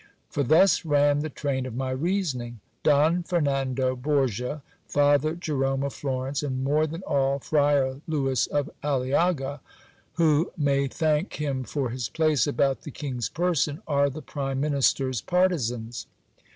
For thus ran the train of my reasoning : Don Fernando Borgia, Father Jerome of Florence, and more than all, Friar Louis of Aliaga, who may thank him for his place about the king's person, are the prime minister's partisans.